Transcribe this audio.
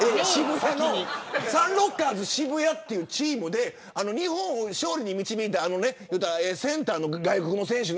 サンロッカーズ渋谷というチームで日本を勝利に導いたセンターの外国の選手。